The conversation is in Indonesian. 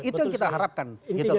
itu yang kita harapkan gitu